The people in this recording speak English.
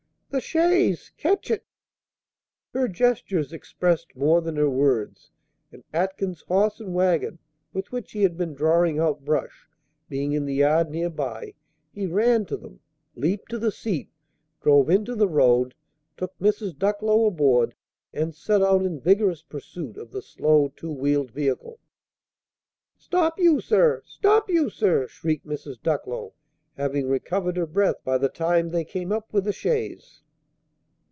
"The chaise. Ketch it." Her gestures expressed more than her words; and, Atkins's horse and wagon, with which he had been drawing out brush, being in the yard near by, he ran to them, leaped to the seat, drove into the road, took Mrs. Ducklow aboard, and set out in vigorous pursuit of the slow two wheeled vehicle. "Stop, you, sir! Stop, you, sir!" shrieked Mrs. Ducklow, having recovered her breath by the time they came up with the chaise.